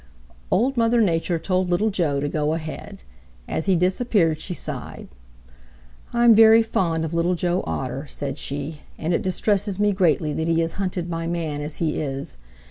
Old Mother Nature told Little Joe to go ahead. As he disappeared, she sighed. "I'm very fond of Little Joe Otter," said she, "and it distresses me greatly that he is hunted by man as he is.